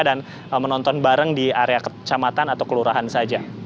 dan menonton bareng di area kecamatan atau kelurahan saja